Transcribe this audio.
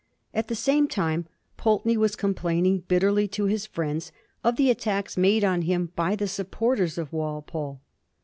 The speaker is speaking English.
At the same time Pulteney was complaining bitterly to his friends of the attacks made on him by the supporters of Walpole.